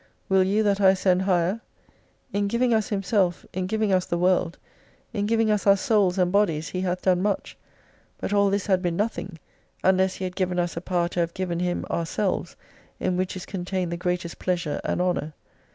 Will you that I ascend higher ? In giving us Himself, in giving us the worlds in giving us our souls and bodies, he hath done much, but all this had been nothing, unless He had given us a power to have given Him, ourselves, in which is contained the greatest pleasure and honour.